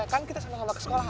kan kita sama sama ke sekolahan